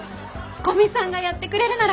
古見さんがやってくれるなら。